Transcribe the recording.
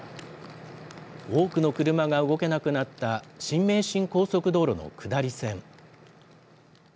多くの車が動けなくなった新名神高速道路の下り線。